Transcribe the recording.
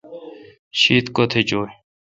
شیت کوتھ چویں ۔